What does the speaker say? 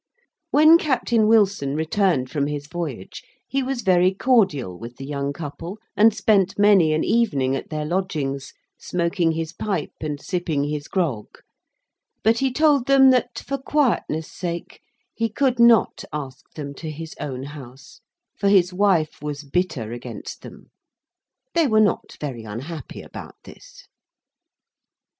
When Captain Wilson returned from his voyage, he was very cordial with the young couple, and spent many an evening at their lodgings; smoking his pipe, and sipping his grog; but he told them that, for quietness' sake, he could not ask them to his own house; for his wife was bitter against them. They were not very unhappy about this.